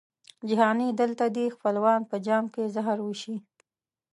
جهاني دلته دي خپلوان په جام کي زهر وېشي